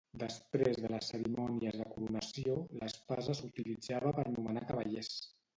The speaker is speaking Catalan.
Després de les cerimònies de coronació, l'espasa s'utilitzava per nomenar cavallers.